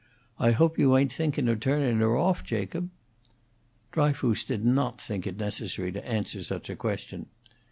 I hope you ain't thinkin' o' turnin' her off, Jacob?" Dryfoos did not think it necessary to answer such a question.